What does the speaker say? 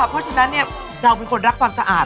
เพราะฉะนั้นเราเป็นคนรักความสะอาด